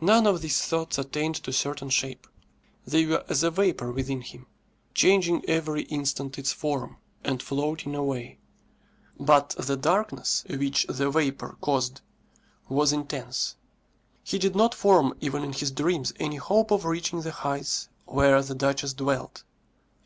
None of these thoughts attained to certain shape. They were as a vapour within him, changing every instant its form, and floating away. But the darkness which the vapour caused was intense. He did not form even in his dreams any hope of reaching the heights where the duchess dwelt.